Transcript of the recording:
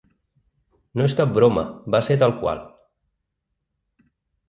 No és cap broma, va ser tal qual.